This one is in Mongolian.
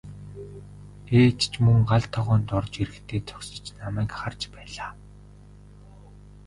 Ээж ч мөн гал тогоонд орж ирэхдээ зогсож намайг харж байлаа.